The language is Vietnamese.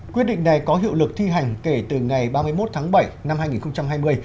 quyết định này có hiệu lực thi hành kể từ ngày ba mươi một tháng bảy năm hai nghìn hai mươi